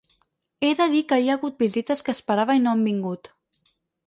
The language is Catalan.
He de dir que hi ha hagut visites que esperava i no han vingut.